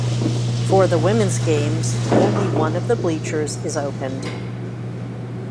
For the women's games, only one of the bleachers is opened.